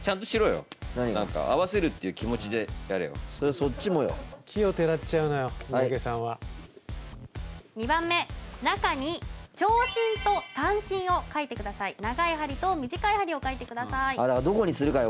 そっちもよ奇をてらっちゃうのよ三宅さんは２番目中に長針と短針を描いてください長い針と短い針を描いてくださいだからどこにするかよ